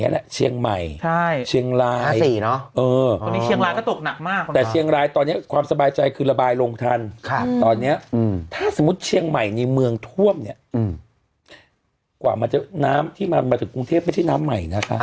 เหนือลุงนะน้ำสะสมกว่าจะถึงแบบว่ากรุงเทพอายุทยาคือน้ำเน่าหมดแล้วน่ะ